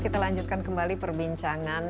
kita lanjutkan kembali perbincangan